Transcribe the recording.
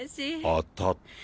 当たった。